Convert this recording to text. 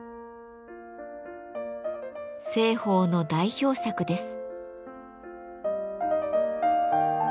栖鳳の代表作です。